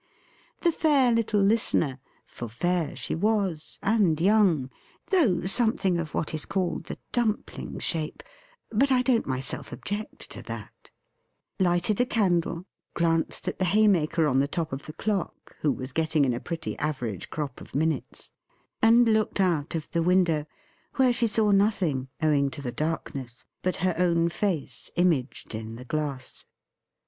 The fair little listener; for fair she was, and young though something of what is called the dumpling shape; but I don't myself object to that lighted a candle; glanced at the Haymaker on the top of the clock, who was getting in a pretty average crop of minutes; and looked out of the window, where she saw nothing, owing to the darkness, but her own face imaged in the glass.